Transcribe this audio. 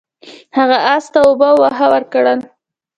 هغه اس ته اوبه او واښه ورکول.